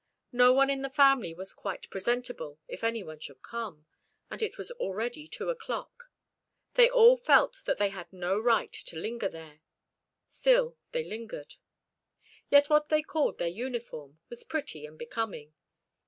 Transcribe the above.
No one in the family was quite presentable if anyone should come, and it was already two o'clock; they all felt that they had no right to linger there, still they lingered. Yet what they called their "uniform" was pretty and becoming.